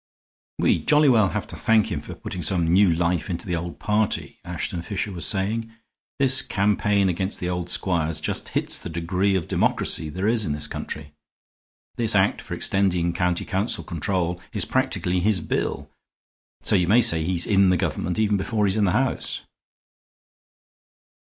"We jolly well have to thank him for putting some new life into the old party," Ashton Fisher was saying. "This campaign against the old squires just hits the degree of democracy there is in this county. This act for extending county council control is practically his bill; so you may say he's in the government even before he's in the House."